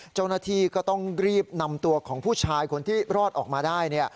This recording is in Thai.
เจ้าหน้าที่ก็ต้องรีบนำตัวของผู้ชายคนที่รอดออกมาได้